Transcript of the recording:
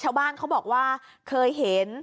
ชาวบ้านเขาบอกว่าเคยเห็น